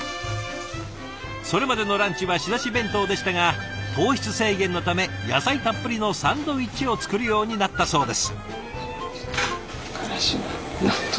それまでのランチは仕出し弁当でしたが糖質制限のため野菜たっぷりのサンドイッチを作るようになったそうです。